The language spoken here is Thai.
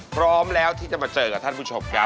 พร้อมแล้วที่จะมาเจอกับท่านผู้ชมครับ